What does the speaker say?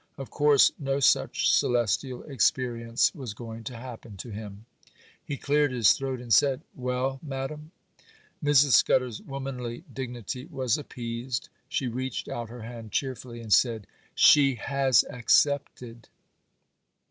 Of course no such celestial experience was going to happen to him. He cleared his throat and said,— 'Well, Madam?' Mrs. Scudder's womanly dignity was appeased; she reached out her hand cheerfully, and said,— '_She has accepted.